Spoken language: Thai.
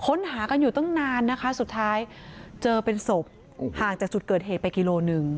ค้นหากันอยู่ตั้งนานนะคะสุดท้ายเจอเป็นศพห่างจากจุดเกิดเหตุไปกิโลหนึ่ง